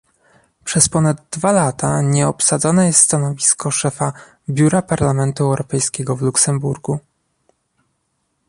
Przez ponad dwa lata nieobsadzone jest stanowisko szefa Biura Parlamentu Europejskiego w Luksemburgu